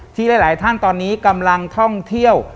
ที่หลายท่านตอนนี้กำลังท่องเที่ยว